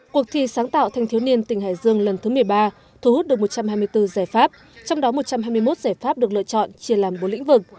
cuộc thi sáng tạo thanh thiếu niên tỉnh hải dương lần thứ một mươi ba thu hút được một trăm hai mươi bốn giải pháp trong đó một trăm hai mươi một giải pháp được lựa chọn chia làm bốn lĩnh vực